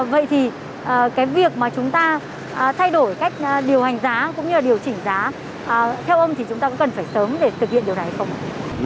vậy thì cái việc mà chúng ta thay đổi cách điều hành giá cũng như là điều chỉnh giá theo ông thì chúng ta cũng cần phải sớm để thực hiện điều này hay không ạ